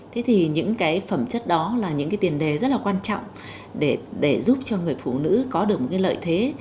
thế thì những cái phẩm chất đó là những cái tiền đề rất là quan trọng để giúp cho người phụ nữ có được một cái lợi thế